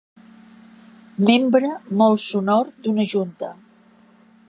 Membre molt sonor d'una junta.